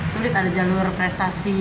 sulit ada jalur prestasi